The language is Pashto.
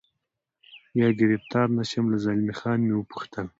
یا ګرفتار نه شم، له زلمی خان مې و پوښتل.